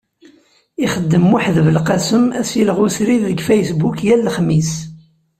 Ixeddem Muḥend Belqasem asileɣ usrid deg Facebook yal lexmis.